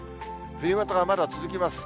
冬型がまだ続きます。